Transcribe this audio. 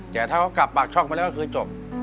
แต่ถ้าเขากลับปากช่องมาแล้วก็คือจบ